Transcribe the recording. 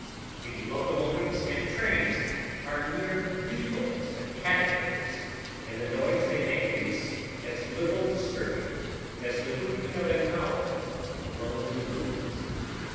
The locomotives and trains are mere beetles and caterpillars, and the noise they make is as little disturbing as the hooting of an owl in the lonely woods.